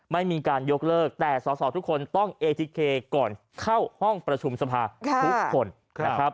ไม่มีการยกเลิกแต่สอสอทุกคนต้องเอทีเคก่อนเข้าห้องประชุมสภาทุกคนนะครับ